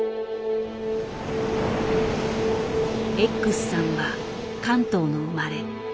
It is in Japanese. Ｘさんは関東の生まれ。